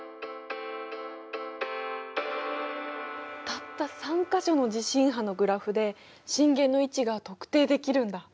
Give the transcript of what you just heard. たった３か所の地震波のグラフで震源の位置が特定できるんだ。